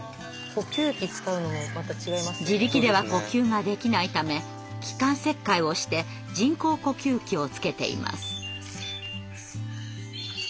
自力では呼吸ができないため気管切開をして人工呼吸器をつけています。